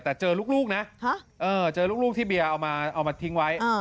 แต่เจอลูกนะเจอลูกที่เบียร์เอามาทิ้งไว้